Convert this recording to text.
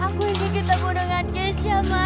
aku ingin ketemu dengan keisha mas